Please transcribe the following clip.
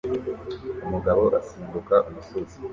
Umugabo asimbuka umusozi